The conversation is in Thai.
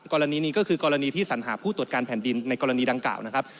กรณีนี้ก็คือกรณีที่สัญหาผู้ตรวจการแผ่นดินในกรณีดังกล่าวนะครับ